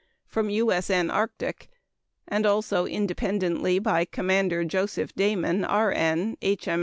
from U.S.N. Arctic, and also independently by Commander Joseph Dayman, R.N. (H.